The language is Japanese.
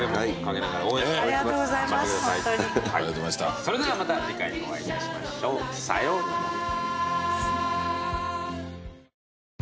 それではまた次回お会いいたしましょう。さようなら。